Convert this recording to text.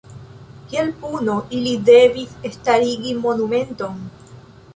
Kiel puno ili devis starigi monumenton.